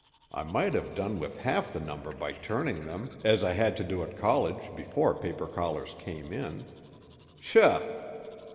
I might have done with half the number by turning them, as I had to do at college before paper collars came in. Psha!"